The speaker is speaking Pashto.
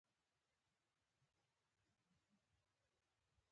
د شیدو نرخ لوړ شوی دی.